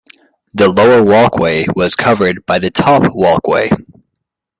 The lower walkway was covered by the top walkway.